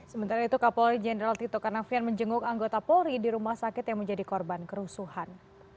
sementara itu kapolri jenderal tito karnavian menjenguk anggota polri di rumah sakit yang menjadi korban kerusuhan